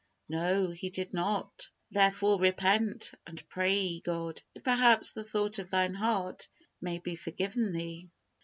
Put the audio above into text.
No; he did not. "Therefore, repent, and pray God, if, perhaps, the thought of thine heart may be forgiven thee."